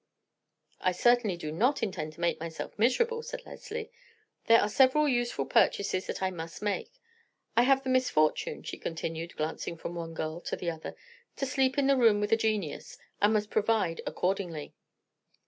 "I certainly do not intend to make myself miserable," said Leslie. "There are several useful purchases that I must make. I have the misfortune," she continued, glancing from one girl to the other, "to sleep in the room with a genius, and must provide accordingly."